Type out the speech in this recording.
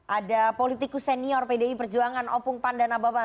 ada politikus senior pdi perjuangan opung panda nababan